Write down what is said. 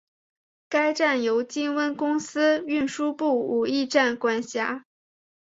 该站由金温公司运输部武义站管辖。